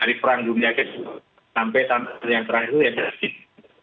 dari perang jumlah jadil sampai sampai yang terakhir ya dari situ